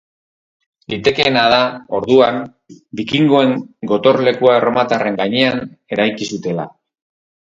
Litekeena da, orduan, bikingoen gotorlekua erromatarren gainean eraiki zutela.